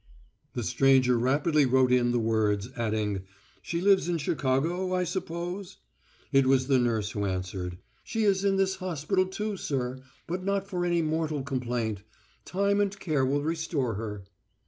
The stranger rapidly wrote in the words, adding, "she lives in Chicago, I suppose." It was the nurse who answered: "She is in this hospital, too, sir; but not for any mortal complaint. Time and care will restore her."